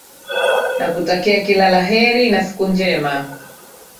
nakutakia kila la heri na siku njema